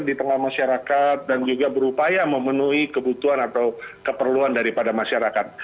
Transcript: di tengah masyarakat dan juga berupaya memenuhi kebutuhan atau keperluan daripada masyarakat